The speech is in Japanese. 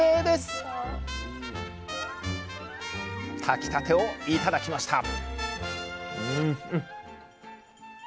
炊きたてを頂きました！